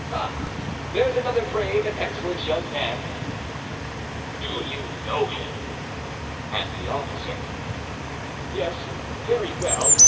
Ah! there's another brave and excellent young man." "Do you know him?" asked the officer. "Yes, very well.